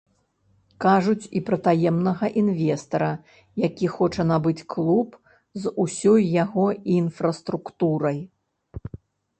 Кажуць і пра таемнага інвестара, які хоча набыць клуб з усёй яго інфраструктурай.